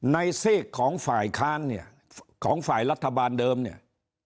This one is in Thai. ซีกของฝ่ายค้านเนี่ยของฝ่ายรัฐบาลเดิมเนี่ย